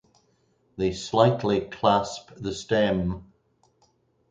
They slightly clasp the stem.